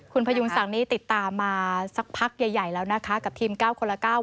คุณพยุงศักดิ์นี้ติดตามมาสักพักใหญ่แล้วนะคะกับทีม๙คนละ๙